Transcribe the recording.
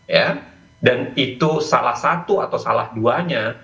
ya dan itu salah satu atau salah duanya